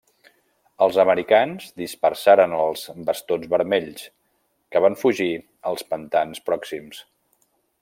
Els americans dispersaren els Bastons Vermells, que van fugir als pantans pròxims.